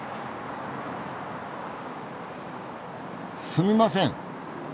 すみません。